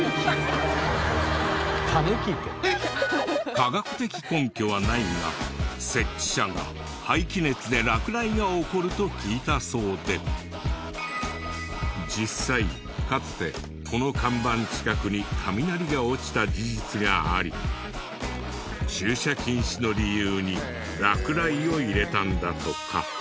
科学的根拠はないが設置者が排気熱で落雷が起こると聞いたそうで実際かつてこの看板近くに雷が落ちた事実があり駐車禁止の理由に落雷を入れたんだとか。